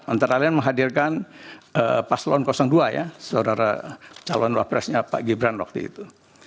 antara lain menghadirkan paslon dua ya saudara calon wapresnya pak gibran waktu itu